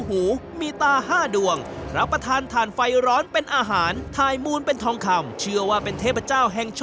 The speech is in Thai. หลังจากที่แม่ได้มาเป็นอย่างไรคะเรื่องของการค้าขาย